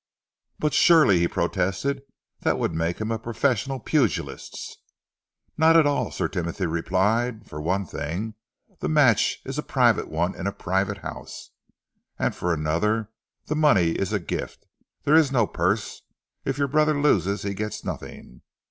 "But surely," he protested, "that would make him a professional pugilist?" "Not at all," Sir Timothy replied. "For one thing, the match is a private one in a private house, and for another the money is a gift. There is no purse. If your brother loses, he gets nothing.